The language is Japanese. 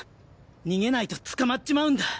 逃げないと捕まっちまうんだ。